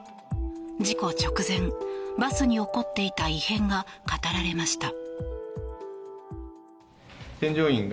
事故直前、バスに起こっていた異変が語られました。